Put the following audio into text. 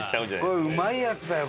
これうまいやつだよ！